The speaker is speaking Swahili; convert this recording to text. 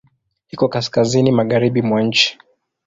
Iko kaskazini magharibi mwa nchi.